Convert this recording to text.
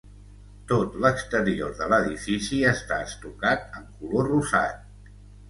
Tot l'exterior de l'edifici està estucat en color rosat.